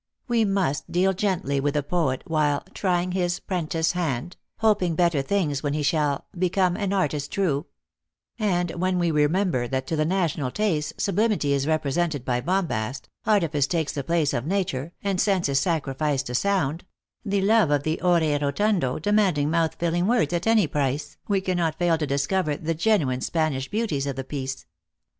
"We must deal gently with the poet while c trying his prentice hand, hoping better things when he shall become an artist true ; and when we remember that to the national taste sublim ity is represented by bombast, artifice takes the place of nature, and sense is sacrificed to sound, the love of the ore rotundo demand ing mouth filling words at any price, we cannot fail to discover the genuine Spanish beauties of the piece.